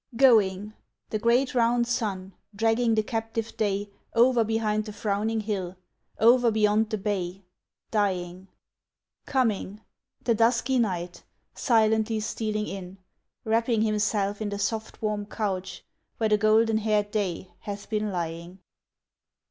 Going the great round Sun, Dragging the captive Day Over behind the frowning hill, Over beyond the bay, Dying: Coming the dusky Night, Silently stealing in, Wrapping himself in the soft warm couch Where the golden haired Day hath been Lying.